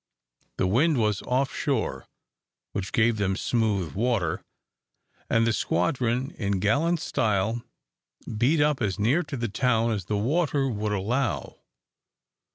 The wind was off shore, which gave them smooth water; and the squadron, in gallant style, beat up as near to the town as the water would allow.